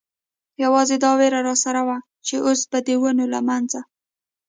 یوازې دا وېره را سره وه، چې اوس به د ونو له منځه.